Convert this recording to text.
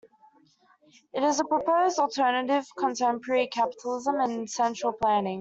It is a proposed alternative to contemporary capitalism and central planning.